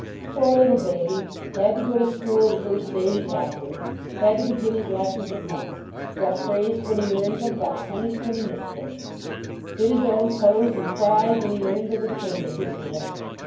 Poor little baby! Had to go to school the first day he got here. Had to begin his 4 ALPHA lessons at once. Got praised when he learned them. Got punished when he missed them. Hit his own toes and cried when he learned there was pain in this world.